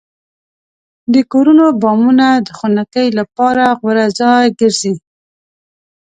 د کورونو بامونه د خنکۍ لپاره غوره ځای ګرځي.